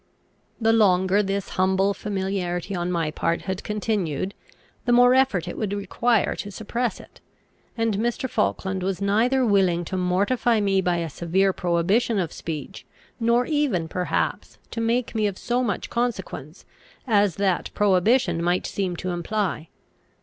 The longer this humble familiarity on my part had continued, the more effort it would require to suppress it; and Mr. Falkland was neither willing to mortify me by a severe prohibition of speech, nor even perhaps to make me of so much consequence, as that prohibition might seem to imply.